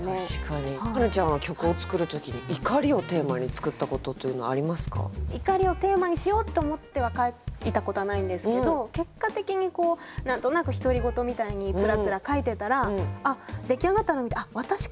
花ちゃんは曲を作る時に怒りをテーマにしようって思っては書いたことはないんですけど結果的に何となく独り言みたいにつらつら書いてたらなるほど歌にしてみて初めて自分の感情が。